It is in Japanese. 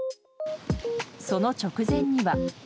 その直前には。